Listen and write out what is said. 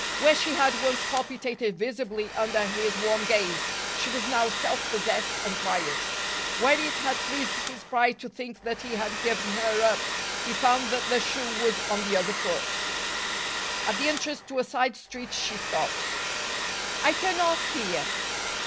Where she had once palpitated visibly under his warm gaze, she was now self possessed and quiet. Where it had pleased his pride to think that he had given her up, he found that the shoe was on the other foot. At the entrance to a side street she stopped. "I turn off here."